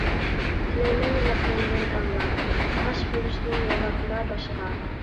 تىلەيمەن رەببىمدىن ئەمما، تاش بولۇشنى يولاتما باشقا.